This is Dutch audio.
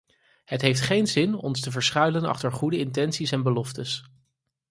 Het heeft geen zin ons te verschuilen achter goede intenties en beloftes.